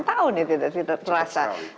lima tahun ya tidak terasa